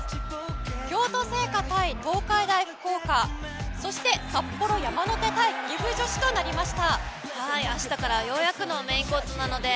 京都精華対東海大福岡そして札幌山の手対岐阜女子となりました。